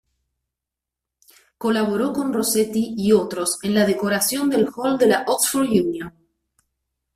Colaboró con Rossetti y otros en la decoración del hall de la Oxford Union.